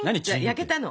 焼けたの。